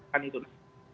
tidak ada di tersebut